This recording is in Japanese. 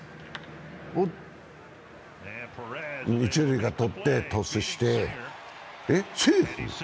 お、一塁がとってトスして、えっセーフ？